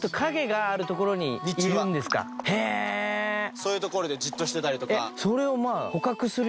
そういう所でじっとしてたり。